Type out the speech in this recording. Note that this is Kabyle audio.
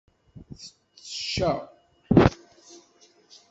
Tecca.